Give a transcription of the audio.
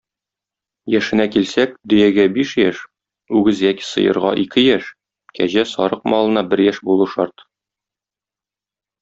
Яшенә килсәк: дөягә - биш яшь, үгез яки сыерга - ике яшь, кәҗә, сарык малына бер яшь булу шарт.